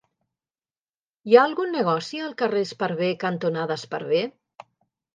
Hi ha algun negoci al carrer Esparver cantonada Esparver?